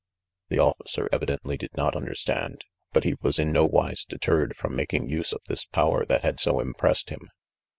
The officer evidently did not understand ; but he was in nowise deterred from making use of this power that had so impressed him.